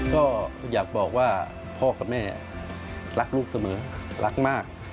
ก็อยากบอกว่าพ่อกับแม่รักลูกเสมอรักมาก